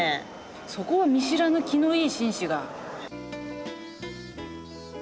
そこは見知らぬ気のいい紳士が。